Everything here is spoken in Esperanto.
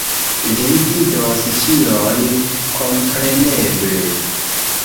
Vi vidos ĉion, kompreneble